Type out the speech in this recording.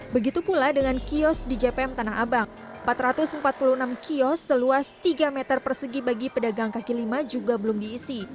begitu pula dengan kios di jpm tanah abang empat ratus empat puluh enam kios seluas tiga meter persegi bagi pedagang kaki lima juga belum diisi